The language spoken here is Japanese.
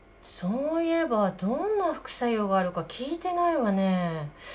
そういえばどんな副作用があるか聞いてないわね。